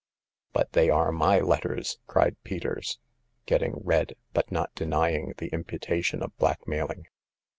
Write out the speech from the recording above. " But they are my letters !" cried Peters get ting red, but not denying the imputation of blackmailing.